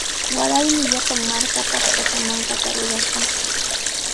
Waraymi llapan markapaq pachamankata rurashun.